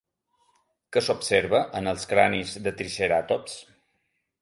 Què s'observa en els cranis de triceratops?